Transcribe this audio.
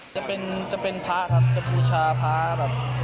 จะเป็นภาคภาคครับถ้าพูดชาวภาค